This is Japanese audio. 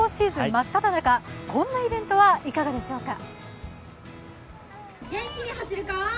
まっただ中、こんなイベントはいかがでしょうか。